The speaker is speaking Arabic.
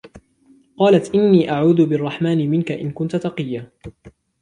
قَالَتْ إِنِّي أَعُوذُ بِالرَّحْمَنِ مِنْكَ إِنْ كُنْتَ تَقِيًّا